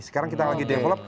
sekarang kita lagi develop